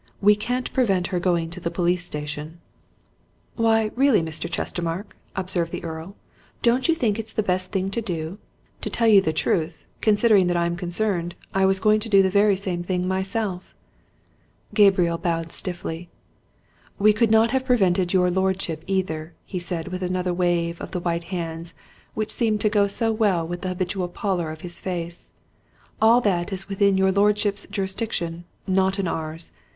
We can't prevent her going to the police station." "Why, really, Mr. Chestermarke," observed the Earl, "don't you think it's the best thing to do? To tell you the truth, considering that I'm concerned, I was going to do the very same thing myself." Gabriel bowed stiffly. "We could not have prevented your lordship either," he said, with another wave of the white hands which seemed to go so well with the habitual pallor of his face. "All that is within your lordship's jurisdiction not in ours.